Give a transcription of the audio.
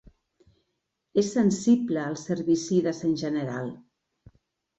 És sensible als herbicides en general.